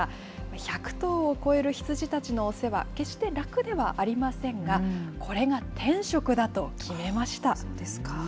１００頭を超える羊たちのお世話、決して楽ではありませんが、これが天職だと決めました。